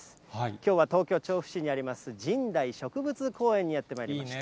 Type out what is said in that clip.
きょうは東京・調布市にあります、神代植物公園にやってまいりました。